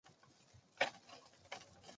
该奖项的经费由匿名人士或团体提供。